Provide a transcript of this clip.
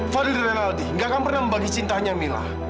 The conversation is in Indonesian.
fadl rialdi gak akan pernah membagi cintanya mila